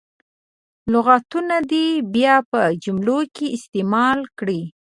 لغتونه دې بیا په جملو کې استعمال کړي.